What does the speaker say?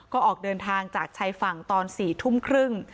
ก็ออกเดินทางจากชายฝั่งตอน๔ทุ่มครึ่ง